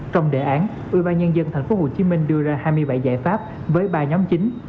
trong đề án ủy ban nhân dân tp hcm đưa ra hai mươi bảy giải pháp với ba nhóm chính